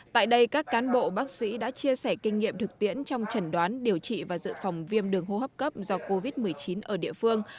tại đây các cán bộ bác sĩ đã chia sẻ kinh nghiệm thực tiễn trong trần đoán điều trị và dự phòng viêm đường hô hấp cấp do covid một mươi chín ở địa phương